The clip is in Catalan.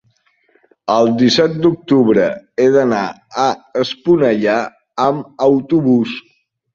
el disset d'octubre he d'anar a Esponellà amb autobús.